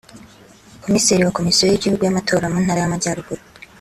Komiseri wa Komisiyo y’Igihugu y’amatora mu Ntara y’Amajyaruguru